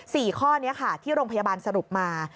๔ข้อนี้ค่ะที่โรงพยาบาลสรุปมา